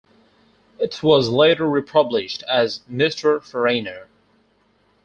It was later republished as "Mr Foreigner".